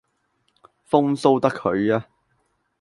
風騷得佢吖